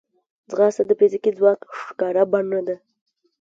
ځغاسته د فزیکي ځواک ښکاره بڼه ده